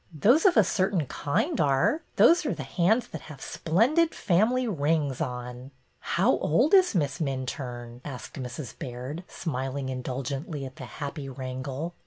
'' Those of a certain kind are. Those are the hands that have splendid family rings on." ''How old is Miss Minturne?" asked Mrs. Baird, smiling indulgently at the happy wrangle.